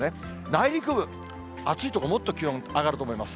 内陸部、暑い所、もっと気温上がると思います。